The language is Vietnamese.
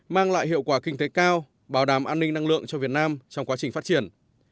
mang lại hiệu quả kinh tế cao bảo đảm an ninh năng lượng cho việt nam trong quá trình phát triển